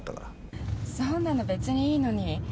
そんなの別にいいのに。